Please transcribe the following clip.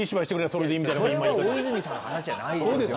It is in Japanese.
それは大泉さんの話じゃないですよ。